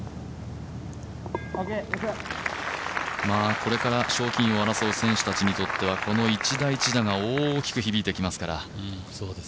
これから賞金王を争う選手たちにとってはこの１打１打が大きく響いてきますから。